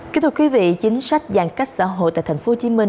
kính thưa quý vị chính sách giãn cách xã hội tại tp hcm